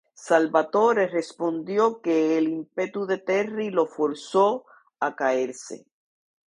Salvatore respondió que el ímpetu de Terry lo forzó a caerse.